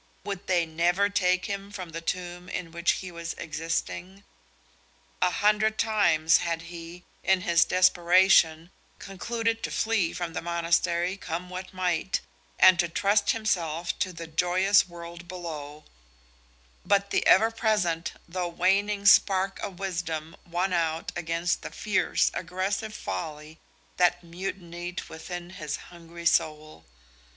Would they never take him from the tomb in which he was existing? A hundred times had he, in his desperation, concluded to flee from the monastery, come what might, and to trust himself to the joyous world below, but the ever present though waning spark of wisdom won out against the fierce, aggressive folly that mutinied within his hungry soul.